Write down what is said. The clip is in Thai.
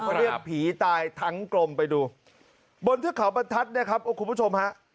เขาเรียกผีตายทั้งกลมไปดูบนที่ขาวประทัศน์นะครับคุณผู้ชมฮะ